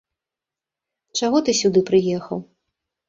Чаго ты сюды прыехаў?